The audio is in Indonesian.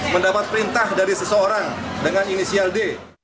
mendapat perintah dari seseorang dengan inisial d